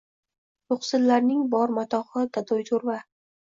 Yoʼqsillarning bor matohi – gadoy toʼrva!